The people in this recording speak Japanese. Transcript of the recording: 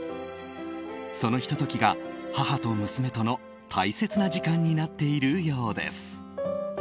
そのひとときが母と娘との大切な時間になっているようです。